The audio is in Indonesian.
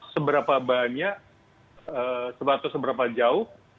seberapa banyak seberapa jauh